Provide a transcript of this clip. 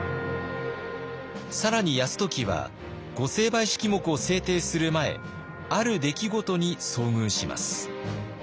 更に泰時は御成敗式目を制定する前ある出来事に遭遇します。